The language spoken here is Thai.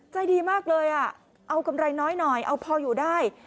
ใจดีมากเลยอ่ะเอากำไรน้อยหน่อยเอาพออยู่ได้